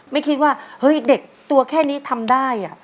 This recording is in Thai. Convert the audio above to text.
ไม่คิดว่าเฮ้ยเด็กตัวแค่นี้ทำได้